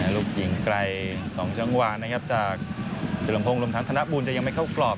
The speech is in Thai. ลูกหญิงไกล๒จังหวะนะครับจากเฉลิมพงศ์รวมทั้งธนบูลจะยังไม่เข้ากรอบ